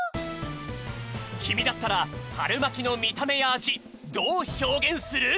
きみだったらはるまきのみためやあじどうひょうげんする？